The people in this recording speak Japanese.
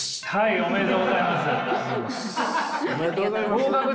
おめでとうございます。